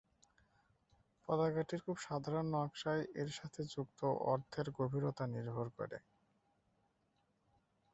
পতাকাটির খুব সাধারণ নকশায় এর সাথে যুক্ত অর্থের গভীরতা নির্ভর করে।